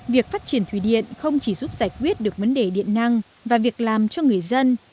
việc phát triển thủy điện không chỉ giúp giải quyết được vấn đề điện năng và việc làm cho người dân